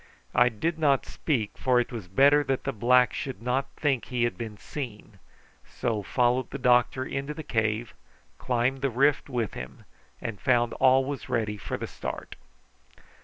I did not speak, for it was better that the black should not think he had been seen, so followed the doctor into the cave, climbed the rift with him, and found all ready for the start.